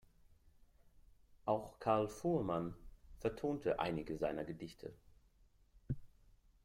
Auch Karl Fuhrmann vertonte einige seiner Gedichte.